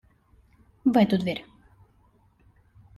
В эту дверь.